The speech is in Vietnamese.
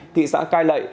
thị xã cai lệ